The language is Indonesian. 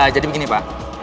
jadi begini pak